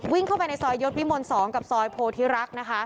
เข้าไปในซอยยศวิมล๒กับซอยโพธิรักษ์นะคะ